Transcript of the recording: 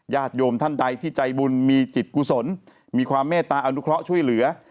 ญาติโยมท่านใดที่ใจบุญมีจิตกุศลมีความเมตตาอนุเคราะห์ช่วยเหลือ